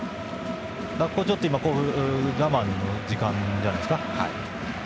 ここは、ちょっと甲府は我慢の時間じゃないですか。